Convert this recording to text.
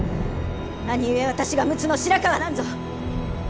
何故私が陸奥の白河なんぞ！